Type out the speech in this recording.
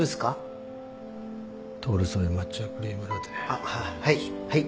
あはいはい。